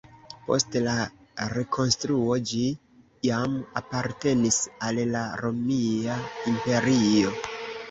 Post la rekonstruo ĝi jam apartenis al la Romia Imperio.